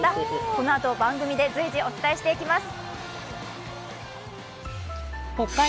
このあと番組で随時お伝えしていきます。